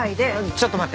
ちょっと待って。